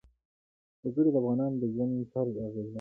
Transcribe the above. وګړي د افغانانو د ژوند طرز اغېزمنوي.